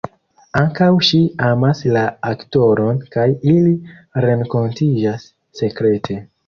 Ankaŭ ŝi amas la aktoron kaj ili renkontiĝas sekrete.